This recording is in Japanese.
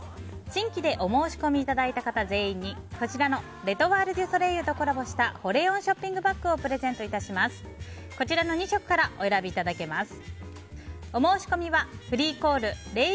新規でお申し込みいただいた方全員に、こちらのレ・トワール・デュ・ソレイユとコラボした保冷温ショッピングバッグをプレゼント致します。